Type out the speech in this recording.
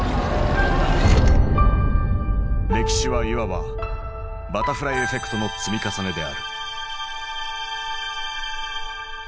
歴史はいわば「バタフライエフェクト」の積み重ねである。